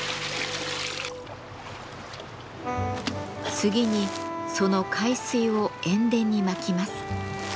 次にその海水を塩田にまきます。